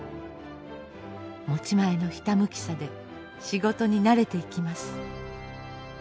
持ち前のひたむきさで仕事に慣れていきます。